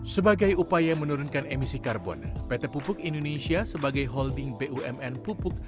sebagai upaya menurunkan emisi karbon pt pupuk indonesia sebagai holding bumn pupuk